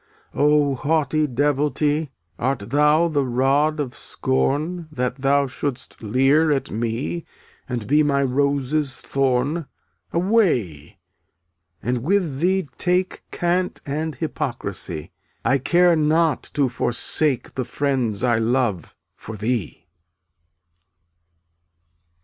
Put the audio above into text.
Oh, haughty devotee, Art thou the rod of scorn, That thou shouldst leer at me And be my rose's thorn? Away! and with thee take Cant and hypocrisy; I care not to forsake The friends I love, for thee.